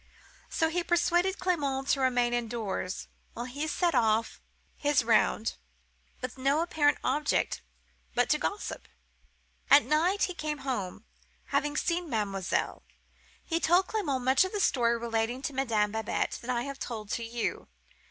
So he persuaded Clement to remain indoors, while he set off on his round, with no apparent object but to gossip. "At night he came home,—having seen mademoiselle. He told Clement much of the story relating to Madame Babette that I have told to you.